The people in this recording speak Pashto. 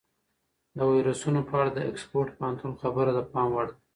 د ویروسونو په اړه د اکسفورډ پوهنتون خبره د پام وړ ده.